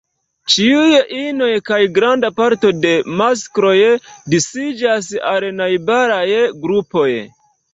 Ĉiuj inoj kaj granda parto de maskloj disiĝas al najbaraj grupoj.